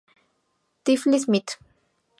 Tiflis; Mitt.